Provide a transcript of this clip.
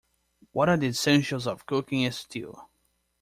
What are the essentials of cooking a stew?